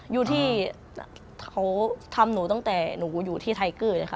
อยู่ที่เขาทำหนูตั้งแต่หนูอยู่ที่ไทเกอร์เลยค่ะ